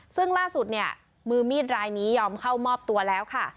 ซึ่งล่าสุดเนี่ยมือมีดรายนี้ยอมเข้ามอบตัวแล้วค่ะ